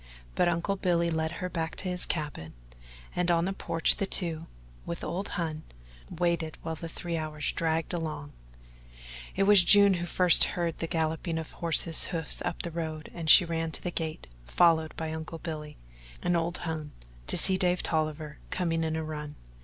But Uncle Billy led her back to his cabin, and on the porch the two, with old Hon, waited while the three hours dragged along. It was June who was first to hear the galloping of horses' hoofs up the road and she ran to the gate, followed by Uncle Billy and old Hon to see young Dave Tolliver coming in a run.